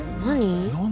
何？